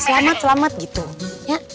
selamat selamat gitu ya